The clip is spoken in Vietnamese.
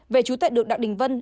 về trú tại đường đặng đình vân